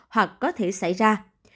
hoặc có thể xảy ra